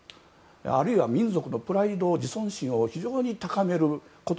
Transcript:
あるいは、民族のプライド自尊心を高めること。